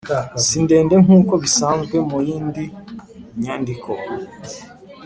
si ndende nkuko bisanzwe mu yindi myandiko